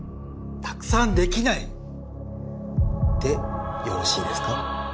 「たくさんできない」でよろしいですか？